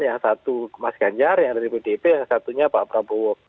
yang satu mas ganyar yang dari bdp yang satunya pak prabowo